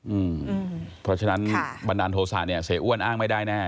อืมเพราะฉะนั้นบันดาลโทษะเนี่ยเสียอ้วนอ้างไม่ได้แน่